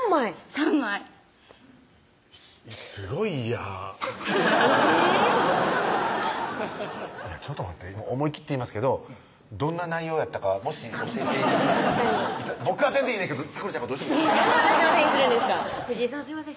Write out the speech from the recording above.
３枚すごい嫌えぇっちょっと待って思いきって言いますけどどんな内容やったかもし教えて確かに僕は全然いいねんけど咲楽ちゃんがなんで私のせいにするんですかすいません